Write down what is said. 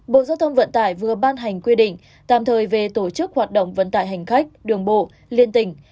bộ giao thông vận tải vừa ban hành quy định tạm thời về tổ chức hoạt động vận tải hành khách đường bộ liên tỉnh